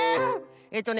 えっとね